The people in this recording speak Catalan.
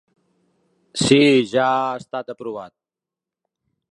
Si, ja ha estat aprovat.